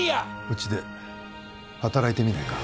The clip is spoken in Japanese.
うちで働いてみないか？